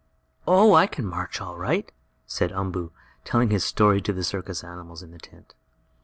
"Oh, I can march all right," said Umboo, telling his story to the circus animals in the tent.